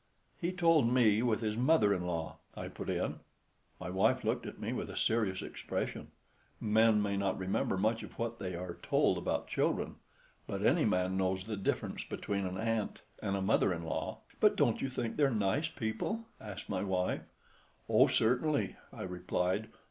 "He told me with his mother in law," I put in. My wife looked at me with a serious expression. Men may not remember much of what they are told about children; but any man knows the difference between an aunt and a mother in law. "But don't you think they're nice people?" asked my wife. "Oh, certainly," I replied.